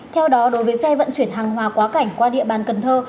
theo đó đối với xe vận chuyển hàng hóa quá cảnh qua địa bàn cần thơ